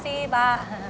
seperti ini makasih pak